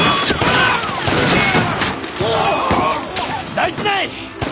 大事ない！